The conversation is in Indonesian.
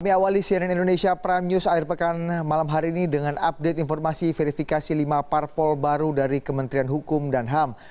kami awali cnn indonesia prime news akhir pekan malam hari ini dengan update informasi verifikasi lima parpol baru dari kementerian hukum dan ham